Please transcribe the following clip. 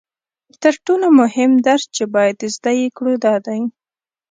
تر ټولو مهم درس چې باید زده یې کړو دا دی